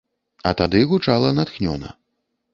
А тады гучала натхнёна.